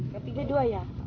yang tiga dua ya